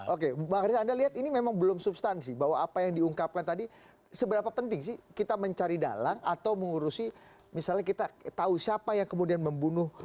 oke bang riza anda lihat ini memang belum substansi bahwa apa yang diungkapkan tadi seberapa penting sih kita mencari dalang atau mengurusi misalnya kita tahu siapa yang kemudian membunuh